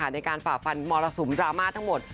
ฝ่าฟันมรสุมดราม่าทั้งหมด